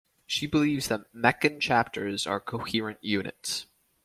She believes that Meccan chapters are coherent units.